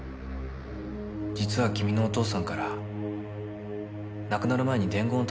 実は君のお父さんから亡くなる前に伝言を頼まれたんだ。